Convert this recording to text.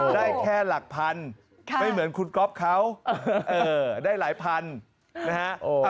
ได้แค่หลักพันไม่เหมือนคุณก๊อฟเขาได้หลายพันนะฮะ